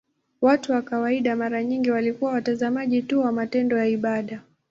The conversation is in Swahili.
Watu wa kawaida mara nyingi walikuwa watazamaji tu wa matendo ya ibada.